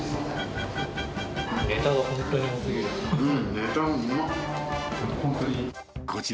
ネタ、うまい！